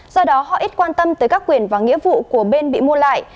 do đó họ ít quan tâm tới các quyền và nghĩa vụ của bên bị mua lại